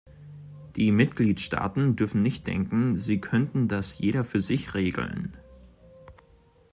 Die Mitgliedstaaten dürfen nicht denken, sie könnten das jeder für sich regeln.